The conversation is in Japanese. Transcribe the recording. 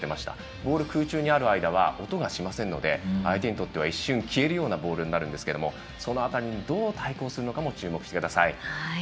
ボールが空中にある間は音がしないので相手にとっては、一瞬消えるようなボールになりますがその辺りに、どう対抗するのかも注目してください。